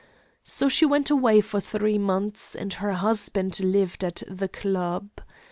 So she went away for three months and her husband lived at the club.